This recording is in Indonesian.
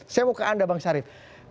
saya mau ke anda bang syarif